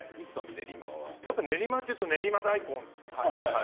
練馬というとやっぱり練馬大根。